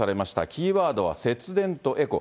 キーワードは、節電とエコ。